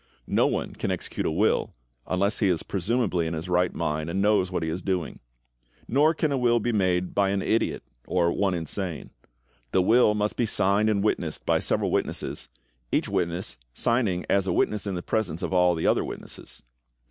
No one can execute a will unless he is presumably in his right mind, and knows what he is doing. Nor can a will be made by an idiot or one insane. The will must be signed and witnessed by several witnesses, each witness signing as a witness in the presence of all of the other witnesses.